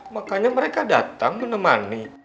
makanya mereka datang menemani